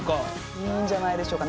いいんじゃないでしょうか。